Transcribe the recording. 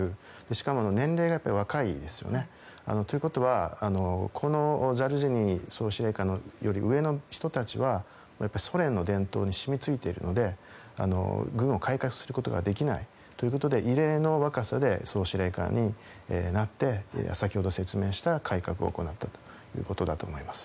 しかも、年齢が若いですよね。ということはこのザルジニー総司令官より上の人たちはやっぱり、ソ連の伝統が染みついているので軍を改革することができないということで異例の若さで総司令官になって先ほど説明した改革を行ったということだと思います。